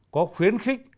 có khuyến khích